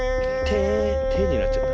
「テ」になっちゃった。